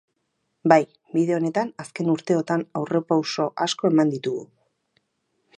Bai, bide honetan azken urteotan aurrerapauso asko eman ditugu.